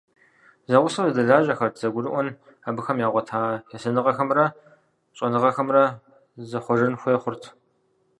Зэгъусэу зэдэлажьэхэр зэгурыӀуэн, абыхэм ягъуэта есэныгъэхэмрэ щӀэныгъэмкӀэ зэхъуэжэн хуей хъурт.